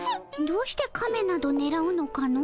どうしてカメなどねらうのかの？